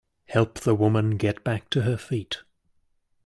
Help the woman get back to her feet.